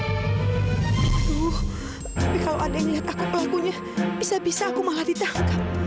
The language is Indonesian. aduh tapi kalau ada yang lihat aku pelakunya bisa bisa aku malah ditangkap